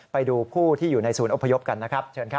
ไปดูผู้ที่อยู่ในศูนย์อพยพกันนะครับเชิญครับ